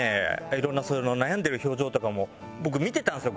いろんな悩んでる表情とかも僕見てたんですよ